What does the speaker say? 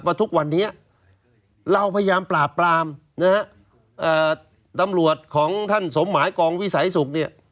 ทุกวันนี้เราพยายามปราบปรามนะฮะตำรวจของท่านสมหมายกองวิสัยศุกร์เนี่ย